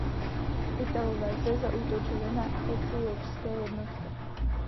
Italové zde zaútočili na etiopské jednotky.